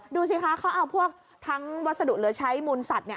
ดูสิคะเขาเอาพวกทั้งวัสดุเหลือใช้มูลสัตว์